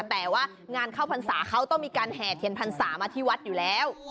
แต่ว่างานเข้าพรรษาเขาต้องมีการแห่เทียนพรรษามาที่วัดอยู่แล้ว